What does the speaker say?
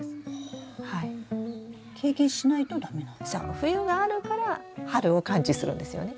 冬があるから春を感知するんですよね。